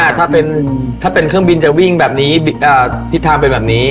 ถ้าเป็นเครื่องบินจะวิ่งแบบนี้ทิศทางเป็นแบบนี้